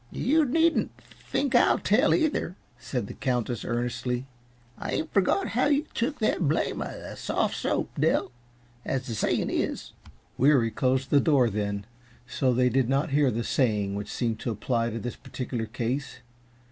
"You needn't think I'll tell, either," said the Countess, earnestly. "I ain't forgot how you took the blame uh that sof' soap, Dell. As the sayin' is " Weary closed the door then, so they did not hear the saying which seemed to apply to this particular case.